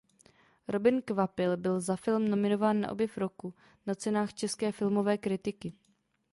Robin Kvapil byl za film nominován na objev roku na Cenách české filmové kritiky.